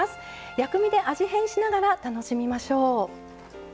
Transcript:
薬味で味変しながら楽しみましょう。